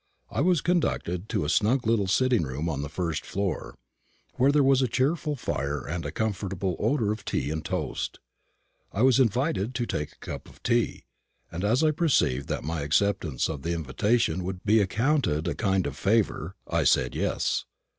I was conducted to a snug little sitting room on the first floor, where there was a cheerful fire and a comfortable odour of tea and toast. I was invited to take a cup of tea; and as I perceived that my acceptance of the invitation would be accounted a kind of favour, I said yes.